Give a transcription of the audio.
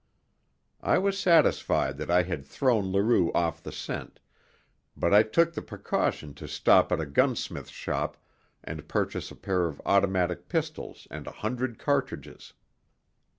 I was satisfied that I had thrown Leroux off the scent, but I took the precaution to stop at a gunsmith's shop and purchase a pair of automatic pistols and a hundred cartridges.